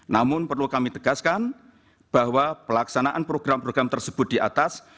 namun perlu kami tegaskan bahwa pelaksanaan program program tersebut di atas